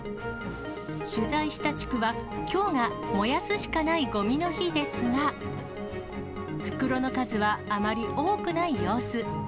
取材した地区は、きょうが燃やすしかないごみの日ですが、袋の数はあまり多くない様子。